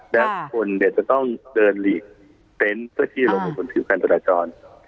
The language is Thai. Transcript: และคนเนี่ยจะต้องเดินหลีกเต็นต์เพื่อที่ลงไปบนผิวการจราจร